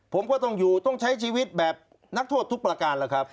ผมก็ต้องอยู่ต้องใช้ชีวิตแบบนักโทษทุกประการแล้วครับ